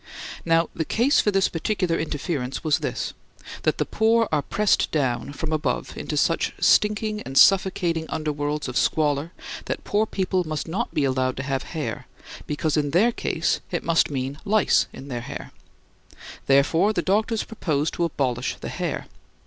Now, the case for this particular interference was this, that the poor are pressed down from above into such stinking and suffocating underworlds of squalor, that poor people must not be allowed to have hair, because in their case it must mean lice in the hair. Therefore, the doctors propose to abolish the hair.